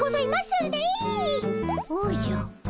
おじゃ？